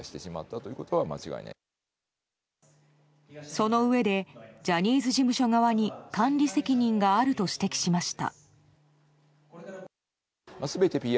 そのうえでジャニーズ事務所側に管理責任があると指摘しました。